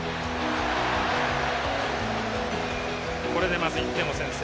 これで、まず１点を先制。